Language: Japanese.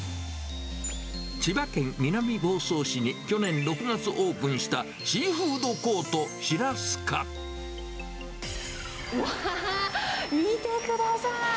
千葉県南房総市に去年６月オープンした、うわー、見てください。